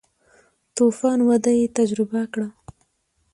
تو فان وده یې تجربه کړه.